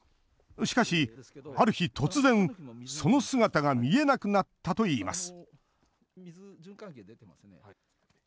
しかし、ある日突然、その姿が見えなくなったといいます。